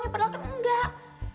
ya padahal kan enggak